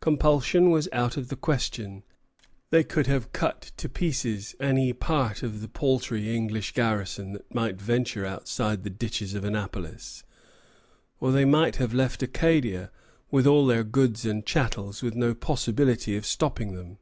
Compulsion was out of the question. They could have cut to pieces any part of the paltry English garrison that might venture outside the ditches of Annapolis, or they might have left Acadia, with all their goods and chattels, with no possibility of stopping them.